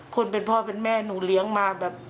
คนเป็นพ่อเป็นแม่หนูเลี้ยงมาแบบ